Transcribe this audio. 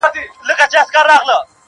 چي په دام كي اسير نه سي كوم موږك دئ-